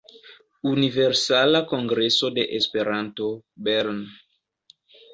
Universala Kongreso de Esperanto Bern“.